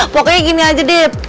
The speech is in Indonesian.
pokoknya gini aja dip